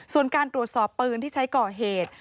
ส่วนการตรวจสอบปืนที่ใช้ก่อเหตุ